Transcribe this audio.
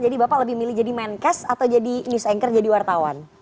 jadi bapak lebih milih jadi main cast atau jadi news anchor jadi wartawan